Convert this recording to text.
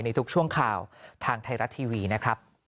ทุกช่วงข่าวทางไทยรัฐทีวีนะครับ